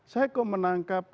saya kok menangkap